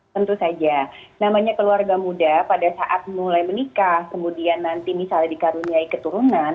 tentu saja namanya keluarga muda pada saat mulai menikah kemudian nanti misalnya dikaruniai keturunan